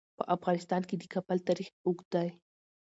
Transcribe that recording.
په افغانستان کې د کابل تاریخ اوږد دی.